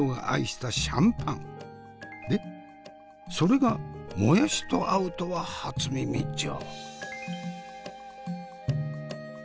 でそれがもやしと合うとは初耳じゃ。